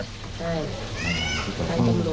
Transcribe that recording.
ใช่